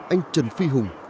anh trần phi hùng